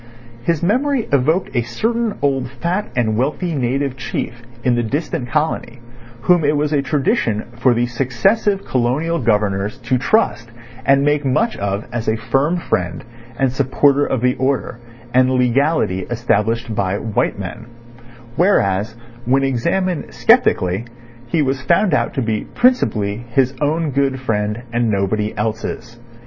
His memory evoked a certain old fat and wealthy native chief in the distant colony whom it was a tradition for the successive Colonial Governors to trust and make much of as a firm friend and supporter of the order and legality established by white men; whereas, when examined sceptically, he was found out to be principally his own good friend, and nobody else's.